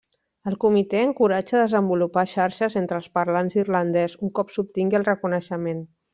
El comitè encoratja a desenvolupar xarxes entre els parlants d'irlandès un cop s'obtingui el reconeixement.